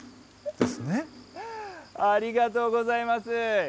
ありがとうございます。